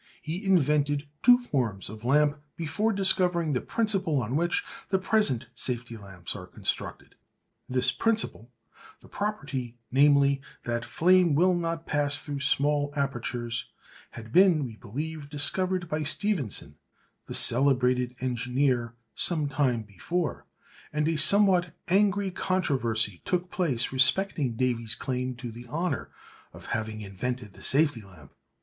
He invented two forms of lamp before discovering the principle on which the present safety lamps are constructed. This principle—the property, namely, that flame will not pass through small apertures—had been, we believe, discovered by Stephenson, the celebrated engineer, some time before; and a somewhat angry controversy took place respecting Davy's claim to the honour of having invented the safety lamp.